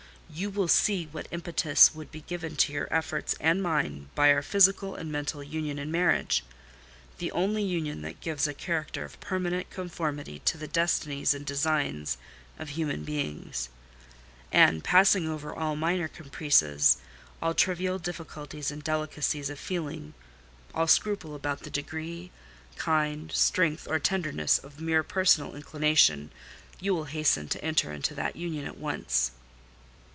You will see what impetus would be given to your efforts and mine by our physical and mental union in marriage: the only union that gives a character of permanent conformity to the destinies and designs of human beings; and, passing over all minor caprices—all trivial difficulties and delicacies of feeling—all scruple about the degree, kind, strength or tenderness of mere personal inclination—you will hasten to enter into that union at once."